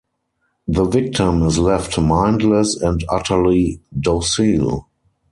The victim is left mindless and utterly docile.